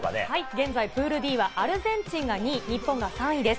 現在、プールＤはアルゼンチンが２位、日本が３位です。